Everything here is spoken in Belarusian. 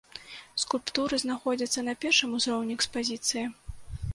Скульптуры знаходзяцца на першым ўзроўні экспазіцыі.